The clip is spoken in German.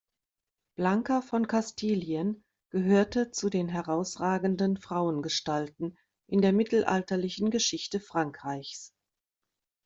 Blanka von Kastilien gehört zu den herausragenden Frauengestalten in der mittelalterlichen Geschichte Frankreichs.